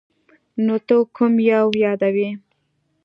نو ته کوم یو یادوې ؟